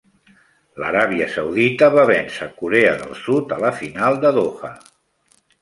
L'Aràbia Saudita va vèncer Corea del Sud a la final de Doha.